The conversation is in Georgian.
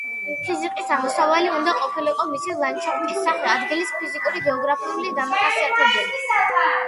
ქიზიყის ამოსავალი უნდა ყოფილიყო მისი ლანდშაფტის სახე, ადგილის ფიზიკურ-გეოგრაფიული მახასიათებლები.